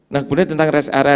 nah kemudian tentang rest area